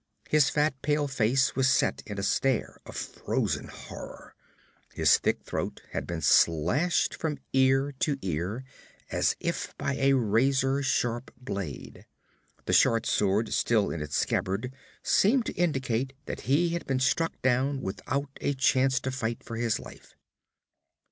His fat, pale face was set in a stare of frozen horror; his thick throat had been slashed from ear to ear as if by a razor sharp blade. The short sword still in its scabbard seemed to indicate that he had been struck down without a chance to fight for his life.